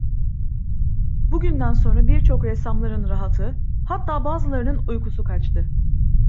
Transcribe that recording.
Bu günden sonra birçok ressamların rahatı, hatta bazılarının uykusu kaçtı.